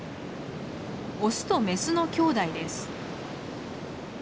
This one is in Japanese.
オスとメスのきょうだいです。